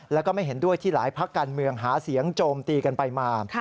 แล้วก็ไม่เห็นด้วยที่หลายพักการเมืองหาเสียงโจมตีกันไปมา